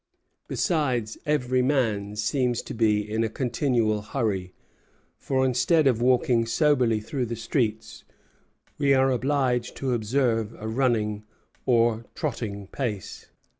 Besides, every man seems to be in a continual hurry; for instead of walking soberly through the streets, we are obliged to observe a running or trotting pace."